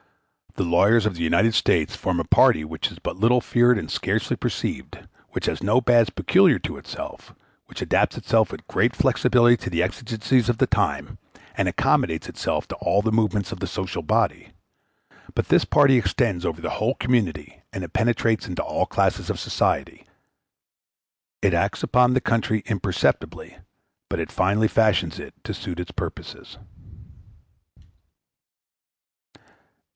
The lawyers of the United States form a party which is but little feared and scarcely perceived, which has no badge peculiar to itself, which adapts itself with great flexibility to the exigencies of the time, and accommodates itself to all the movements of the social body; but this party extends over the whole community, and it penetrates into all classes of society; it acts upon the country imperceptibly, but it finally fashions it to suit its purposes.